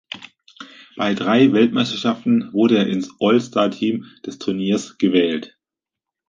Bei drei Weltmeisterschaften wurde er ins All-Star Team des Turniers gewählt.